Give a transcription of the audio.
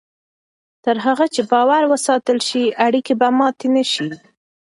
تر هغه چې باور وساتل شي، اړیکې به ماتې نه شي.